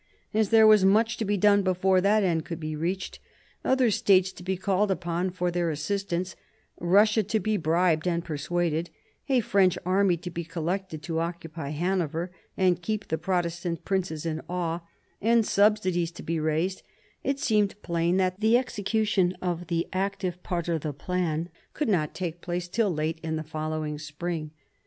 As there was much to be done before that end could be reached — other States to be called upon for their assistance, Russia to be bribed or persuaded, a French army to be collected to occupy Hanover and keep the Protestant princes in awe, and subsidies to be raised — it seemed plain that the execution of the active part of the plan could not take place till late in the following spring.